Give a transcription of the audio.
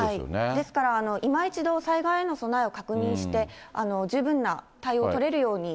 ですから、今一度、災害への備えを確認して、十分な対応を取札